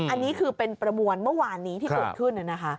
อันนี้คือเป็นประมวลเมื่อวานนี้ที่เกิดขึ้น